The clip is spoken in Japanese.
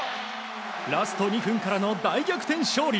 ラスト２分からの大逆転勝利。